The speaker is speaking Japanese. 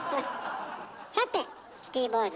さてシティボーイズ